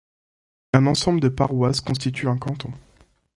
Un ensemble de paroisses constitue un canton.